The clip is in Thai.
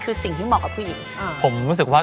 พี่อายกับพี่อ๋อมไม่ได้ครับ